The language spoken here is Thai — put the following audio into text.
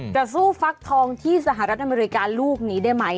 จะสู้ฟักทองที่สหรัฐอเมริกาลูกนี้ได้ไหม